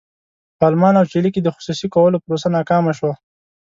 په المان او چیلي کې د خصوصي کولو پروسه ناکامه شوه.